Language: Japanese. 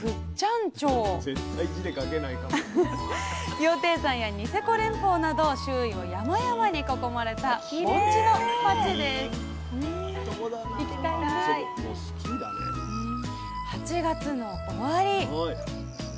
羊蹄山やニセコ連峰など周囲を山々に囲まれた盆地の町です８月の終わり。